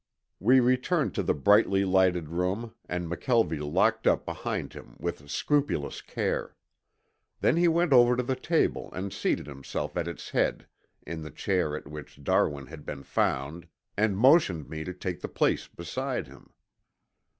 We returned to the brightly lighted room and McKelvie locked up behind him with scrupulous care. Then he went over to the table and seated himself at its head in the chair in which Darwin had been found, and motioned me to take the place beside him.